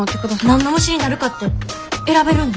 何の虫になるかって選べるんですか？